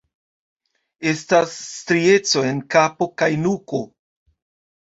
Estas strieco en kapo kaj nuko.